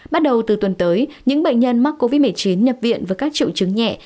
bắt đầu từ tuần tới những bệnh nhân mắc covid một mươi chín nhập viện với các triệu chứng nhẹ